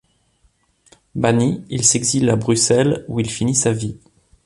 Banni, il s'exile à Bruxelles où il finit sa vie.